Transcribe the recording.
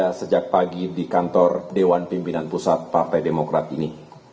sejak pagi di kantor dewan pimpinan pusat partai demokrat ini